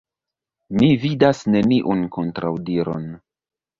Mi vidas neniun kontraŭdiron.